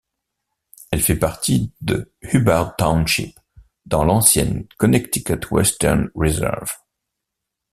Elle fait partie de Hubbard Township, dans l'ancienne Connecticut Western Reserve.